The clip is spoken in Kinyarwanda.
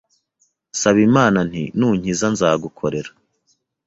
nsaba Imana nti nunkiza nzagukorera,